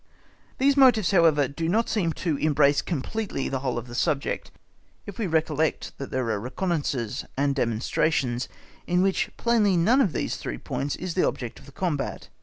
These motives, however, do not seem to embrace completely the whole of the subject, if we recollect that there are reconnaissances and demonstrations, in which plainly none of these three points is the object of the combat.